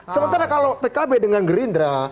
sementara kalau pkb dengan gerindra